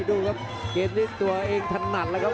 ดูครับเกมนี้ตัวเองถนัดแล้วครับ